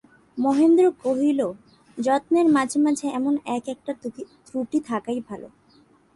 মহেন্দ্র কহিল, যত্নের মাঝে মাঝে এমন এক-একটা ত্রুটি থাকাই ভালো।